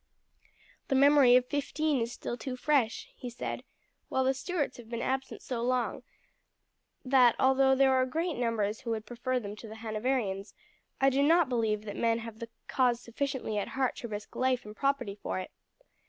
"The memory of '15 is still too fresh," he said; "while the Stuarts have been absent so long that, although there are great numbers who would prefer them to the Hanoverians, I do not believe that men have the cause sufficiently at heart to risk life and property for it.